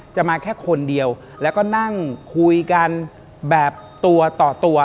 มาแค่คนเดียวแล้วก็นั่งคุยกันแบบตัวต่อตัว